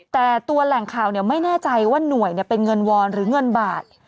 แต่ตัวแหล่งข่าวไม่แน่ใจว่าหน่วยเป็นเงินวอนหรือเงินบาท